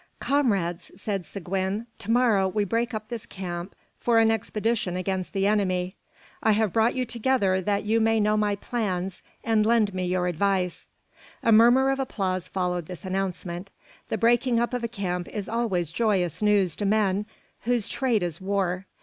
"Comrades!" said Seguin, "to morrow we break up this camp for an expedition against the enemy. I have brought you together that you may know my plans and lend me your advice." A murmur of applause followed this announcement. The breaking up of a camp is always joyous news to men whose trade is war.